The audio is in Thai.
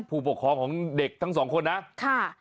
ผู้ปกครองของเด็กทั้งสองคนนะค่ะ